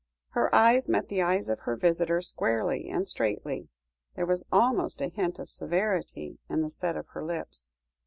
Her eyes met the eyes of her visitor squarely and straightly, there was almost a hint of severity in the set of her lips.